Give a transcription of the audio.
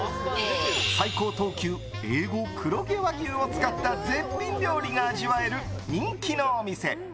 最高等級Ａ５黒毛和牛を使った絶品料理が味わえる人気のお店。